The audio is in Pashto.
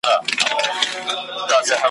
ارغوان او هر ډول ښکلیو ,